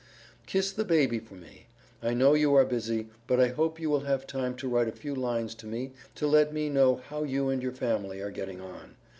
Kiss the baby for me. I know you are busy but I hope you will have time to write a few lines to me to let me know how you and your family are getting on.